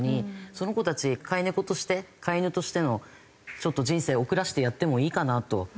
その子たち飼い猫として飼い犬としての人生送らせてやってもいいかなと。